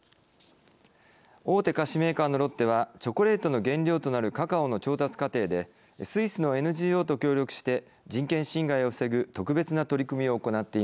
大手菓子メーカーのロッテはチョコレートの原料となるカカオの調達過程でスイスのＮＧＯと協力して人権侵害を防ぐ特別な取り組みを行っています。